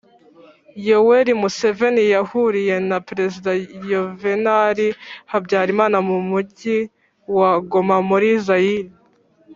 yoweri museveni yahuriye na perezida yuvenali habyarimana mu mujyi wa goma muri zayire,